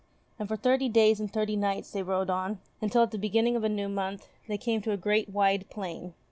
And for thirty days and thirty nights they rode on, until, at the beginning of a new month, they came to a great wide plain.